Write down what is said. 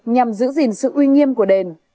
nhằm giữ gìn sự uy nghiêm của đền